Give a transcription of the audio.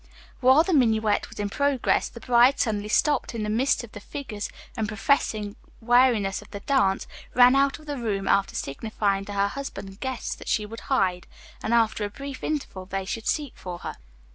While the minuet was in progress the bride suddenly stopped in the midst of the figure and professing weariness of the dance, ran out of the room, after signifying to her husband and guests that she would hide, and after a brief interval they should seek for her.